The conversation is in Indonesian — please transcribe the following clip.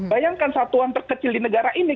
bayangkan satuan terkecil di negara ini